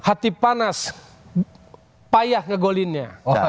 hati panas payah ngegolinnya